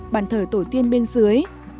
bàn thờ tổ tiên bên dưới